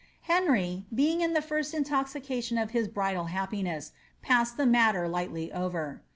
Henry, being in the first intoxication of his bridal happiness, passed the matter lightly over.